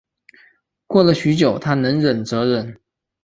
过了许久她能忍则忍